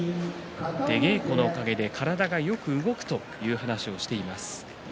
出稽古のおかげで体がよく動くという話をしています。